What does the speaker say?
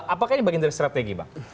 apakah ini bagian dari strategi bang